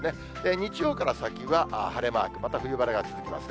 日曜から先は晴れマーク、また冬晴れが続きますね。